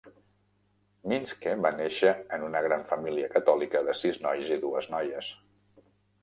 Mischke va néixer en una gran família catòlica de sis nois i dues noies.